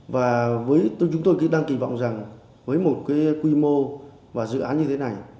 và chúng tôi đang kỳ vọng rằng với một quy mô và dự án như thế này